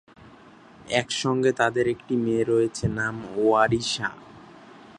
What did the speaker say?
একসঙ্গে তাদের একটি মেয়ে রয়েছে, নাম ওয়ারিশা।